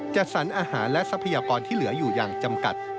จัดสรรอาหารและทรัพยากรที่เหลืออยู่อย่างจำกัด